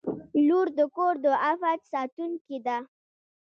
• لور د کور د عفت ساتونکې ده.